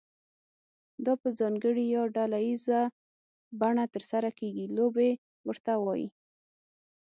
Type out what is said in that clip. دا په ځانګړې یا ډله ییزه بڼه ترسره کیږي لوبې ورته وایي.